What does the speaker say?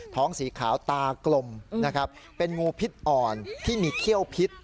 สีขาวตากลมนะครับเป็นงูพิษอ่อนที่มีเขี้ยวพิษ